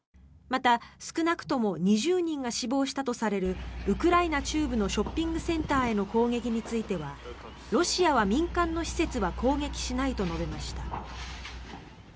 また、少なくとも２０人が死亡したとされるウクライナ中部のショッピングセンターへの攻撃についてはロシアは民間の施設は攻撃しないと述べました。